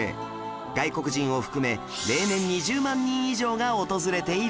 外国人を含め例年２０万人以上が訪れているそうです